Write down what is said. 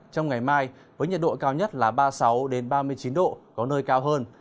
trong ngày mai với nhiệt độ cao nhất là ba mươi sáu ba mươi chín độ có nơi cao hơn